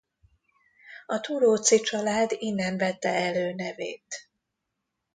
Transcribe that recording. A Thuróczy-család innen vette előnevét.